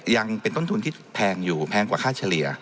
ยังเป็นต้นทุนที่แพงอยู่แพงกว่าค่าเฉลี่ย